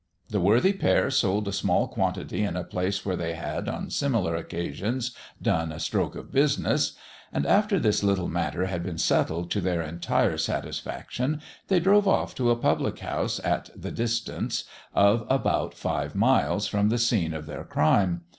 The worthy pair sold a small quantity in a place where they had, on similar occasions, "done a stroke of business;" and, after this little matter had been settled to their entire satisfaction, they drove off to a public house at the distance of about five miles from the scene of their crime.